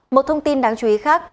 một thông tin đáng chú ý khác